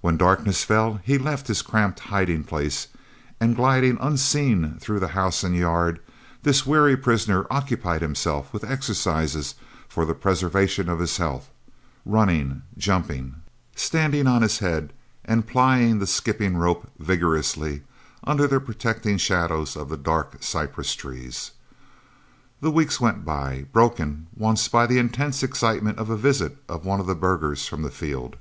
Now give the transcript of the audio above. When darkness fell he left his cramped hiding place, and gliding unseen through the house and yard, this weary prisoner occupied himself with exercises for the preservation of his health, running, jumping, standing on his head, and plying the skipping rope vigorously, under the protecting shadows of the dark cypress trees. The weeks went by, broken once by the intense excitement of a visit of one of the burghers from the field.